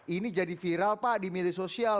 ini jadi viral pak di media sosial